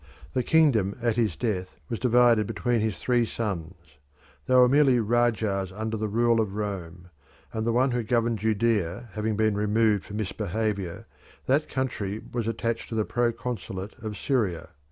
The kingdom at his death was divided between his three sons: they were merely rajahs under the rule of Rome, and the one who governed Judea having been removed for misbehaviour, that country was attached to the pro consulate of Syria.